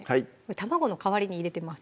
卵の代わりに入れてます